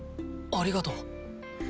ありがとう。